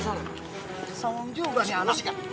susah orang juga